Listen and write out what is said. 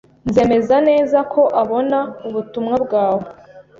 Nzemeza neza ko abona ubutumwa bwawe.